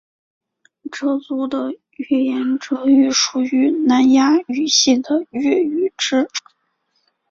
哲族的语言哲语属于南亚语系的越语支。